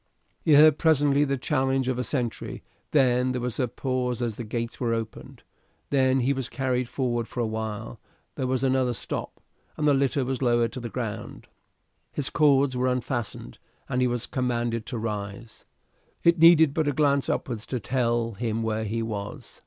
He heard presently the challenge of a sentry, then there was a pause as the gates were opened, then he was carried forward for awhile, there was another stop, and the litter was lowered to the ground, his cords were unfastened, and he was commanded to rise. It needed but a glance upwards to tell him where he was.